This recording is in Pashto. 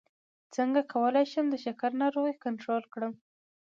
څنګه کولی شم د شکر ناروغي کنټرول کړم